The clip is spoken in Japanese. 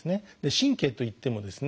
神経といってもですね